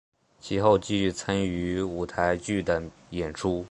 其后继续参与舞台剧等演出。